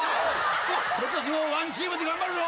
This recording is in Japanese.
今年もワンチームで頑張るぞ。